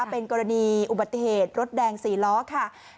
เป็นกรณีอุบัติเหตุรถแดง๔ล้อค่ะ